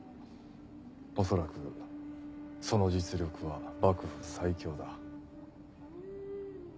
恐らくその実力は幕府最強だ。